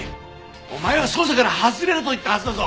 お前は捜査から外れろと言ったはずだぞ。